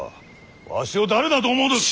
わしを誰だと思うとる！